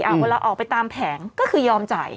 อ่ะวันเราออกไปตามแผงก็คือยอมจ่าย